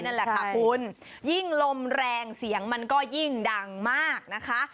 นั่นแหละค่ะคุณยิ่งลมแรงเสียงมันก็ยิ่งดังมากนะคะ